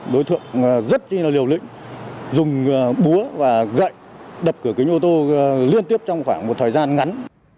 đối tượng rất là liều lĩnh dùng búa và gậy đập cửa kính ô tô liên tiếp trong khoảng một thời gian ngắn